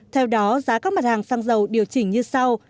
theo đó giá các mặt hàng xăng dầu điều chỉnh như sau